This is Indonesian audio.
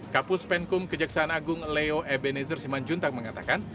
kapus penkum kejaksaan agung leo ebenezer simanjuntak mengatakan